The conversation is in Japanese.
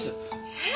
えっ！？